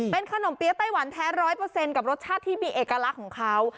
เป็นขนมเปี๊ยะไต้หวันแท้ร้อยเปอร์เซ็นต์กับรสชาติที่มีเอกลักษณ์ของเขา